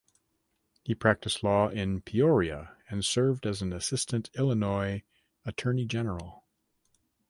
He practiced law in Peoria and served as an Assistant Illinois Attorney General.